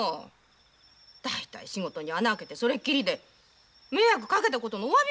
大体仕事に穴あけてそれっきりで迷惑かけたことのおわび